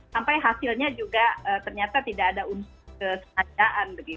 sampai hasilnya juga ternyata tidak ada unsur kesengajaan